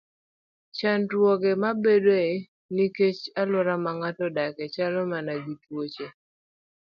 Chandruoge mabedoe nikech alwora ma ng'ato odakie chalo mana gi tuoche.